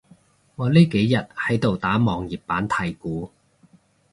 我呢幾日喺度打網頁版太鼓